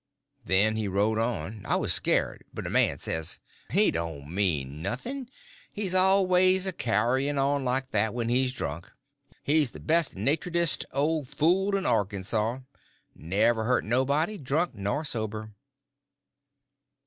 Then he rode on. I was scared, but a man says: "He don't mean nothing; he's always a carryin' on like that when he's drunk. He's the best naturedest old fool in Arkansaw—never hurt nobody, drunk nor sober."